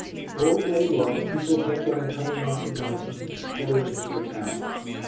All day long people kept on coming up the mountain and pouring into the town.